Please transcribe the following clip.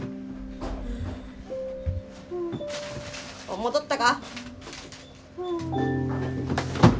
戻ったか？